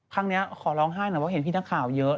ครั้งนี้ขอร้องไห้หน่อยเพราะเห็นพี่นักข่าวเยอะ